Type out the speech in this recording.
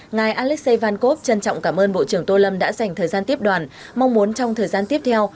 ngài alexei vankov trân trọng cảm ơn bộ trưởng tô lâm đã dành thời gian tiếp đoàn mong muốn trong thời gian tiếp theo